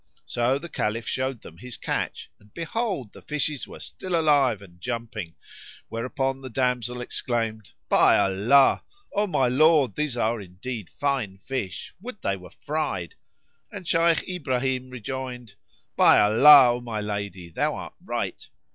So the Caliph showed them his catch and behold, the fishes were still alive and jumping, whereupon the damsel exclaimed, "By Allah! O my lord, these are indeed fine fish: would they were fried!" and Shaykh Ibrahim rejoined, "By Allah, O my lady, thou art right."